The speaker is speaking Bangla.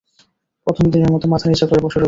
প্রথম দিনের মতো মাথা নিচু করে বসে রইল।